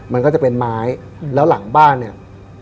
มันก็จะเป็นไม้แล้วหลังบ้านเนี่ย